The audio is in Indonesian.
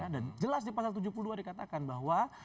dan jelas di pasal tujuh puluh dua dikatakan bahwa